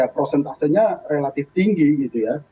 prosentasenya relatif tinggi gitu ya